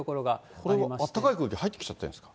これ、あったかい空気、入ってきちゃってるんですか？